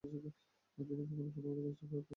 তিনি কখনও প্রথম একাদশের পক্ষে খেলার সুযোগ পাননি।